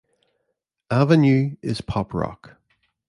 "Avenue" is pop-rock.